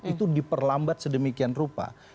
itu diperlambat sedemikian rupa